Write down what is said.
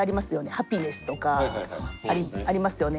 ハピネスとかありますよね。